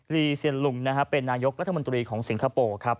ีเซียนลุงเป็นนายกรัฐมนตรีของสิงคโปร์ครับ